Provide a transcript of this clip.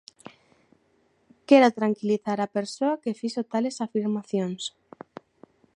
Quero tranquilizar á persoa que fixo tales afirmacións.